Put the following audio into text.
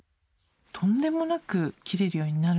とんでもなく切れるようになるので。